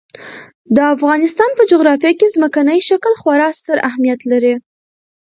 د افغانستان په جغرافیه کې ځمکنی شکل خورا ستر اهمیت لري.